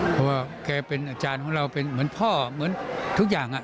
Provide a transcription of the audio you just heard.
เพราะว่าแกเป็นอาจารย์ของเราเป็นเหมือนพ่อเหมือนทุกอย่าง